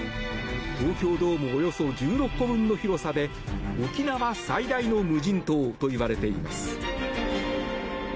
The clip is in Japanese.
東京ドームおよそ１６個分の広さで沖縄最大の無人島といわれています。